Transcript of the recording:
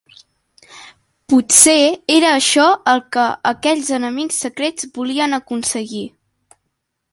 Pot ser era això el que aquells enemics secrets volien aconseguir.